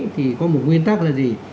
thì có một nguyên tắc là gì